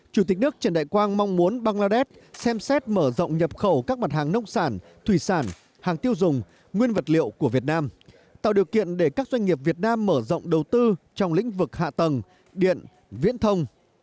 chủ tịch nước trần đại quang mong muốn bangladesh xem xét mở rộng nhập khẩu các mặt hàng nông sản thủy sản hàng tiêu dùng nguyên vật liệu của việt nam tạo điều kiện để các doanh nghiệp việt nam mở rộng đầu tư trong lĩnh vực hạ tầng điện viễn thông